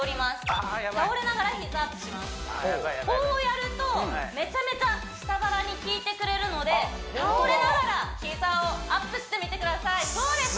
ヤバイヤバイヤバイこうやるとめちゃめちゃ下腹にきいてくれるので倒れながら膝をアップしてみてくださいそうです